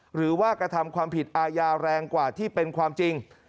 หรือว่ากระทำความผิดอาญาแรงกว่าที่เป็นความจริง